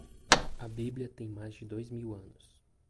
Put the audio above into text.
A bíblia tem mais de dois mil anos.